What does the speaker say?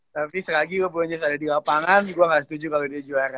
tapi selagi gue punya yang ada di lapangan gue gak setuju kalo dia juara